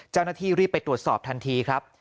เจ้าหน้าที่รีบไปตรวจสอบทันทีครับ